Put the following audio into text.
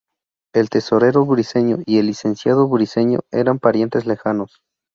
El tesorero Briceño y el licenciado Briceño eran parientes lejanos.